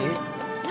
何？